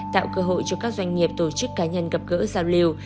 tạo cơ hội cho các doanh nghiệp tổ chức cá nhân gặp gỡ giao lưu